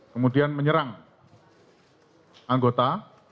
kemudian menyerang anggota